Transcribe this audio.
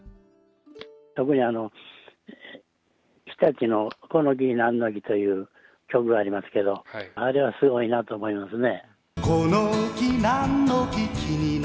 特に、日立のこの木なんの木という曲がありますけれども、あれはすごいなぁと思いますね。